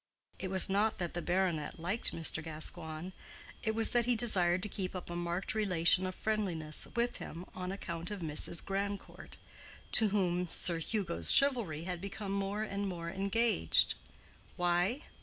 It was not that the baronet liked Mr. Gascoigne; it was that he desired to keep up a marked relation of friendliness with him on account of Mrs. Grandcourt, for whom Sir Hugo's chivalry had become more and more engaged. Why?